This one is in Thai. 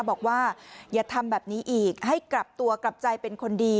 บอกว่าอย่าทำแบบนี้อีกให้กลับตัวกลับใจเป็นคนดี